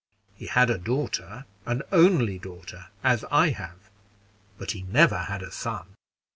He had a daughter, an only daughter, as I have; but he never had a son."